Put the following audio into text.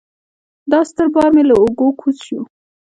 دا ستر بار مې له اوږو کوز شو.